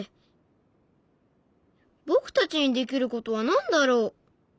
僕たちにできることは何だろう？